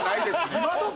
今どき？